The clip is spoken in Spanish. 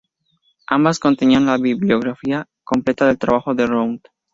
Ambas contienen la bibliografía completa del trabajo de Round.